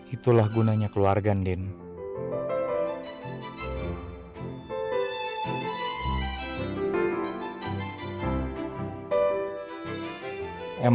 itulah gunanya keluarga nih